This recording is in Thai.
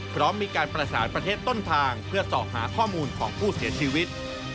พร้อมมีการประสานประเทศต้นทางเพื่อส่อหาข้อมูลของผู้เสียชีวิต